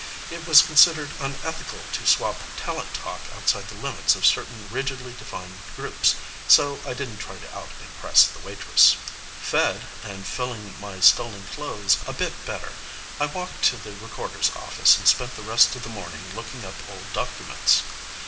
It was considered unethical to swap talent talk outside the limits of certain rigidly defined groups, so I didn't try to out impress the waitress. Fed, and filling my stolen clothes a bit better, I walked to the recorder's office and spent the rest of the morning looking up old documents.